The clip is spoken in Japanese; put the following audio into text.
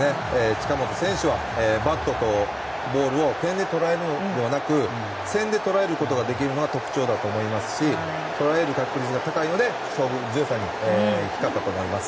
近本選手はバットとボールを点で捉えるのではなく線で捉えることができるのが特徴だと思いますし捉える確率が高いので勝負強さが光ったと思います。